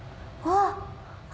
あっ！